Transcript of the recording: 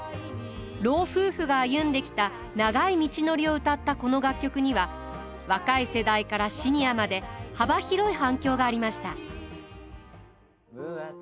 老夫婦が歩んできた長い道のりを歌ったこの楽曲には若い世代からシニアまで幅広い反響がありました。